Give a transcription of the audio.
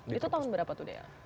itu tahun berapa tuh dl